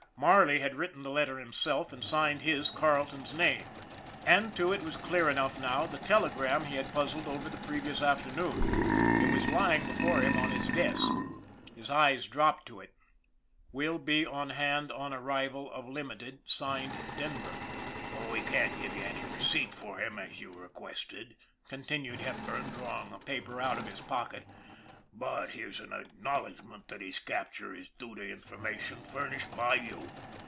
Marley had written the letter himself and signed his, Carleton's, name. And, too, it was clear enough now, the telegram he had puzzled over the pre vious afternoon. It was lying before him on his desk. 236 ON THE IRON AT BIG CLOUD His eyes dropped to it. " Will be on hand on arrival of Limited, (signed) Denver." ;< We can't give you any receipt for him as you re quested/' continued Hepburn, drawing a paper out of his pocket ;" but here's an acknowledgment that his capture is due to information furnished by you.